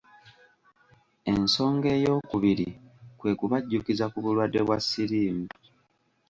Ensonga eyokubiri kwe kubajjukiza ku bulwadde bwa siriimu.